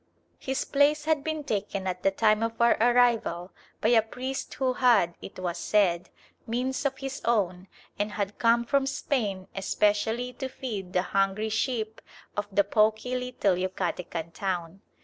His place had been taken at the time of our arrival by a priest who had, it was said, means of his own, and had come from Spain especially to feed the "hungry sheep" of the poky little Yucatecan town.